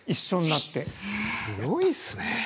すごいっすね。